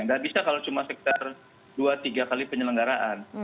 nggak bisa kalau cuma sekitar dua tiga kali penyelenggaraan